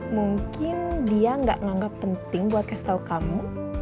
mungkin dia gak nganggep penting buat kasih tau kamu